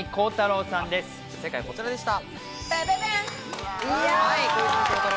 正解はこちらでした。